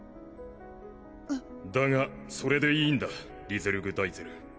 だがそれでいいんだリゼルグ・ダイゼル。